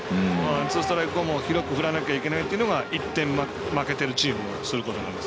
ツーストライク後も振らなければいけないというのが１点、負けているチームがすることなんです。